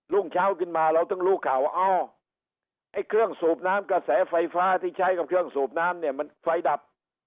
่งเช้าขึ้นมาเราถึงรู้ข่าวว่าอ๋อไอ้เครื่องสูบน้ำกระแสไฟฟ้าที่ใช้กับเครื่องสูบน้ำเนี่ยมันไฟดับ